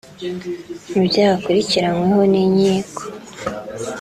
Mu byaha akurikiranyweho n’inkiko